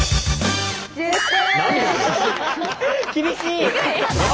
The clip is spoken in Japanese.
厳しい！